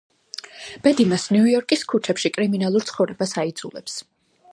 ბედი მას ნიუ-იორკის ქუჩებში კრიმინალურ ცხოვრებას აიძულებს.